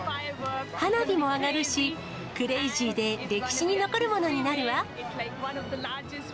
花火も上がるし、クレイジーで歴史に残るものになるわ。